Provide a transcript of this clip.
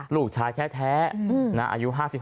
ลูกชายแท้อายุ๕๓